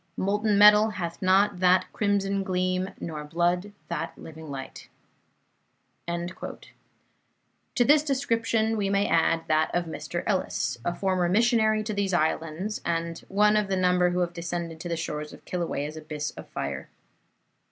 Molten metal hath not that crimson gleam, nor blood that living light." To this description we may add that of Mr. Ellis, a former missionary to these islands, and one of the number who have descended to the shores of Kilauea's abyss of fire.